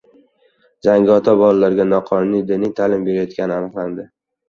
Zangiotada bolalarga noqonuniy diniy ta’lim berilayotgani aniqlandi